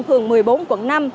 phường một mươi bốn quận năm